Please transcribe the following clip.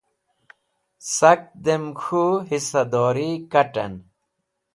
Sak dẽm k̃hũ hisadori kat̃ẽn.